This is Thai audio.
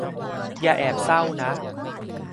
อย่าแอบเศร้านะ